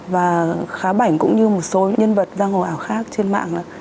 và khá bảnh cũng như một số nhân vật giang hồ ảo khác trên mạng